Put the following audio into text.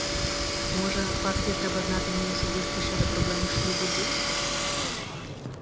Може, партії треба знати мою особисту щодо проблеми шлюбу думку?